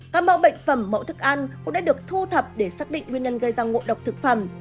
các mẫu bệnh phẩm mẫu thức ăn cũng đã được thu thập để xác định nguyên nhân gây ra ngộ độc thực phẩm